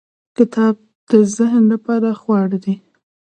• کتاب د ذهن لپاره خواړه دی.